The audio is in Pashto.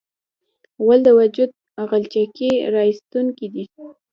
غول د وجود غلچکي راایستونکی دی.